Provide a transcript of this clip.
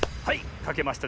かけました！